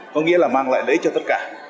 có nghĩa là mang lại lợi ích cho tất cả